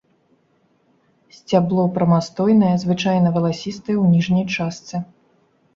Сцябло прамастойнае, звычайна валасістае ў ніжняй частцы.